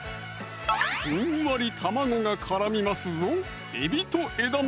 ふんわり卵が絡みますぞ